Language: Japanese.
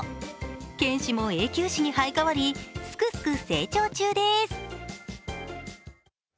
犬歯も永久歯に生えかわり、すくすく成長中です。